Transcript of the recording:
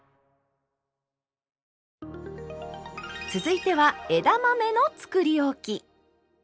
続いては枝豆のつくりおき。